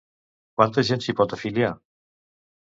Quanta gent s'hi pot afiliar?